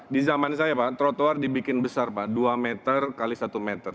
di zaman saya pak trotoar dibikin besar pak dua meter x satu meter